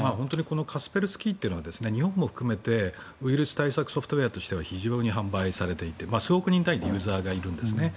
カスペルスキーというのは日本も含めて、ウイルス対策ソフトウェアとしては非常に販売されていて数億人単位でユーザーがいるんですね。